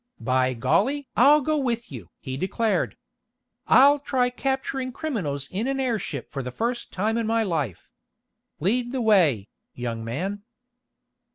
"By golly! I'll go with you!" he declared. "I'll try capturing criminals in an airship for the first time in my life! Lead the way, young man!"